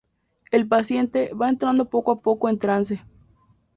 El paciente va entrando poco a poco en trance.